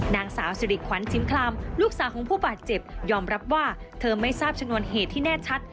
นางสาวสิริขวัญชิมคลามลูกสาวของผู้บาดเจ็บยอมรับว่าเธอไม่ทราบชนวนเหตุที่แน่ชัด